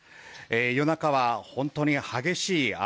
夜中は本当に激しい雨。